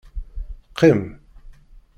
Qqim!